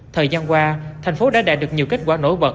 thời gian qua thành phố đã đạt được nhiều kết quả nổi bật